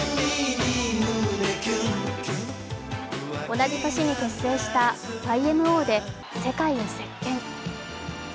同じ年に結成したＹＭＯで世界を席けん。